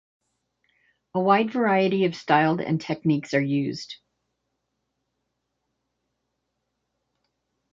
A wide variety of styled and techniques are used.